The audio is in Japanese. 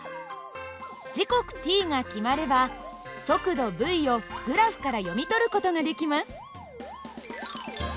時刻ｔが決まれば速度υをグラフから読み取る事ができます。